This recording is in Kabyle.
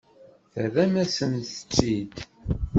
Terram-asent-tt-id.